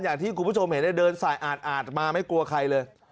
อย่างที่คุณผู้ชมเห็นเดินสายอาดมาไม่กลัวใครเลย